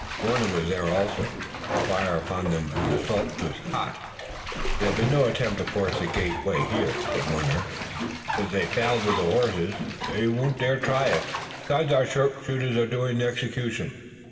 Warner was there also, and the fire upon them from the slopes was hot. "There has been no attempt to force the gate way here," said Warner. "Since they failed with the horses they wouldn't dare try it. Besides, our sharpshooters are doing execution.